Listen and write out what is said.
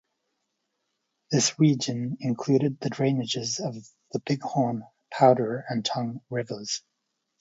This region included the drainages of the Big Horn, Powder and Tongue rivers.